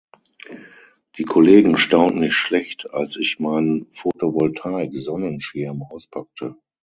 Die Kollegen staunten nicht schlecht, als ich meinen Photovoltaik-Sonnenschirm auspackte.